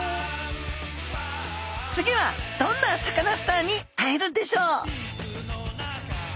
つぎはどんなサカナスターに会えるんでしょう？